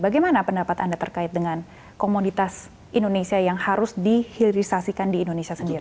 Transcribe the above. bagaimana pendapat anda terkait dengan komoditas indonesia yang harus dihilirisasikan di indonesia sendiri